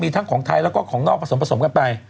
ทั้งของไทยแล้วก็ของนอกผสมผสมกันไป